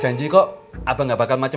janji kok abang gak bakal macam